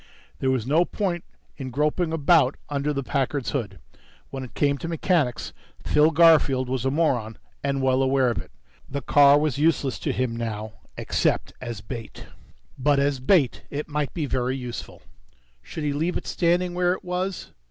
There was no point in groping about under the Packard's hood. When it came to mechanics, Phil Garfield was a moron and well aware of it. The car was useless to him now ... except as bait. But as bait it might be very useful. Should he leave it standing where it was?